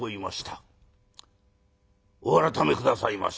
お改め下さいまし」。